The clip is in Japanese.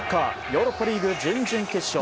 ヨーロッパリーグ準々決勝。